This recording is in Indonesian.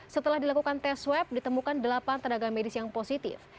setelah dilakukan tes swab ditemukan delapan tenaga medis yang positif